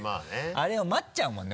あれを待っちゃうもんね